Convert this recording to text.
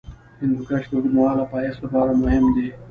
هندوکش د اوږدمهاله پایښت لپاره مهم دی.